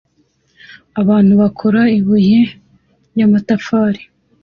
Abantu bakora ibuye ryamatafari